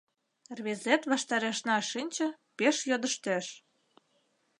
Рвезет ваштарешна шинче, пеш йодыштеш.